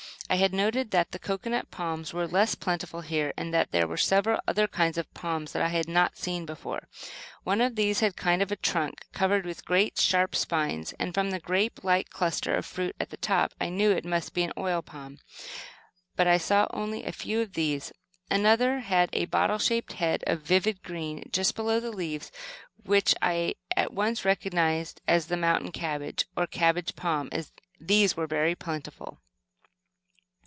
I had noted that the cocoanut palms were less plentiful here, and that there were several other kinds of palms that I had not seen before. One of these had a trunk covered with great sharp spines, and from the grapelike cluster of fruit at the top I knew it must be an oil palm; but I saw only a few of these. Another had a bottle shaped head of vivid green just below the leaves, which I at once recognized as the "mountain cabbage," or cabbage palm. These were very plentiful.